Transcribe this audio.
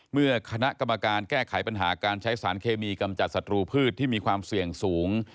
เมื่อคณะกรรมการแก้ไขปัญหาการใช้สารเคมีกำจัดศัตรูพืชที่มีความเสี่ยงสูง